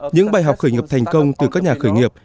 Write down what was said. những bài học khởi nghiệp thành công từ các nhà khởi nghiệp